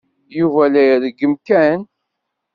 Yuba la ireggem Ken.